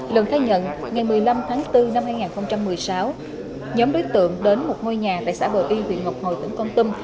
lân khai nhận ngày một mươi năm tháng bốn năm hai nghìn một mươi sáu nhóm đối tượng đến một ngôi nhà tại xã bờ y huyện ngọc hồi tỉnh con tâm